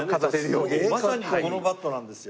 まさにこのバットなんですよ。